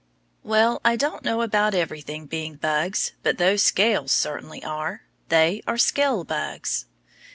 Well, I don't know about everything being bugs, but those scales certainly are. They are scale bugs.